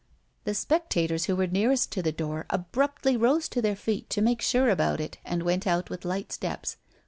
The spectators who were nearest to the door abruptly rose to their feet to make sure about it, and went out with light steps.